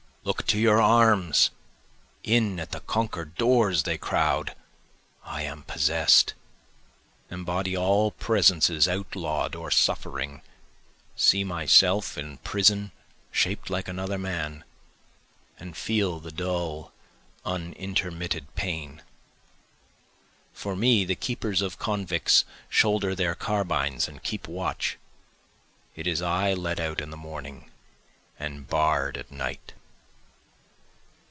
look to your arms! In at the conquer'd doors they crowd! I am possess'd! Embody all presences outlaw'd or suffering, See myself in prison shaped like another man, And feel the dull unintermitted pain. For me the keepers of convicts shoulder their carbines and keep watch, It is I let out in the morning and barr'd at night.